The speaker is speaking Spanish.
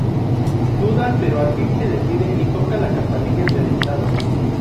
Duda, pero al fin se decide y toca la campanilla de la entrada.